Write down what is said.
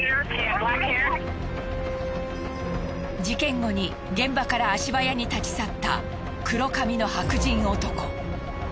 事件後に現場から足早に立ち去った黒髪の白人男。